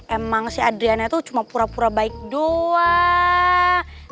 emang si adriana tuh cuma pura pura baik doaa